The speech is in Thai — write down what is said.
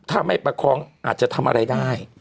ถ้าไม่ประคองอาจจะทำอะไรได้